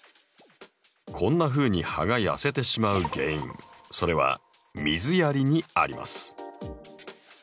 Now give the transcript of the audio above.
こんなふうに葉が痩せてしまう原因それは水やりにあります。